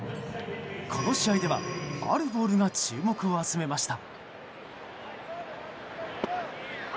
この試合ではあるボールが注目を集めました。